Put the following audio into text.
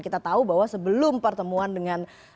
kita tahu bahwa sebelum pertemuan dengan